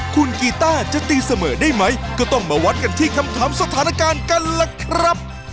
คุณกีต้าจะตีเสมอได้ไหมก็ต้องมาวัดกันที่คำถามสถานการณ์กันล่ะครับ